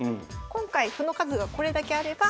今回歩の数がこれだけあれば。